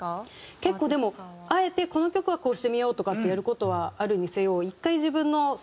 結構でもあえてこの曲はこうしてみようとかってやる事はあるにせよ。